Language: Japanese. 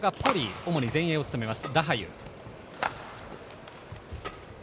主に前衛を務めます。